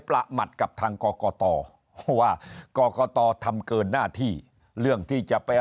ประหมัดกับทางกรกตว่ากรกตทำเกินหน้าที่เรื่องที่จะไป